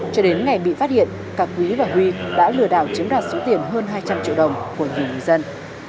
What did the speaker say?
cho đến ngày bị phát hiện cả quý và huy đã lừa đảo chiếm đoạt số tiền hơn hai trăm linh triệu đồng của nhiều người dân